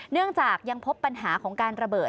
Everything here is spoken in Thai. เนื่องจากยังพบปัญหาของการระเบิด